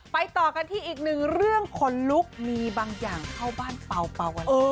ต่อกันที่อีกหนึ่งเรื่องขนลุกมีบางอย่างเข้าบ้านเป่าเป่าวรา